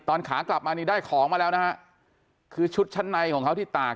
ขากลับมานี่ได้ของมาแล้วนะฮะคือชุดชั้นในของเขาที่ตาก